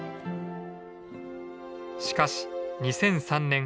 しかし２００３年。